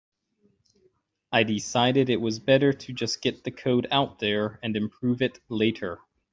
I decided it was better to just get the code out there and improve it later.